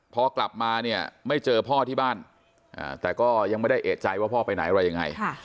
พอกลับมาเนี่ยไม่เจอพ่อที่บ้านแต่ก็ยังไม่ได้เอกใจว่าพ่อไปไหนอะไรยังไง